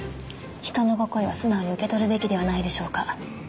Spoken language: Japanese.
人のご厚意は素直に受け取るべきではないでしょうか。